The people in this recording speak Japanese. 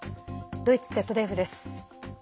ドイツＺＤＦです。